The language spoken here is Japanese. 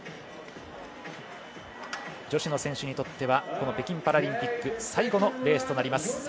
女子の選手にとってはこの北京パラリンピック最後のレースとなります。